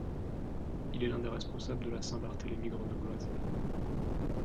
Il est l'un des responsables de la Saint-Barthélemy grenobloise.